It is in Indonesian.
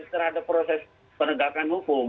terhadap proses penegakan hukum